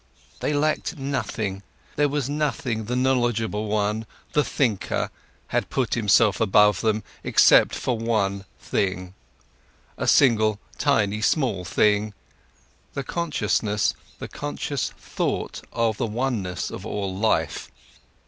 They lacked nothing, there was nothing the knowledgeable one, the thinker, had to put him above them except for one little thing, a single, tiny, small thing: the consciousness, the conscious thought of the oneness of all life.